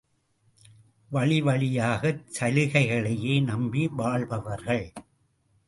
வழிவழியாகச் சலுகைகளையே நம்பி வாழ்பவர்கள்.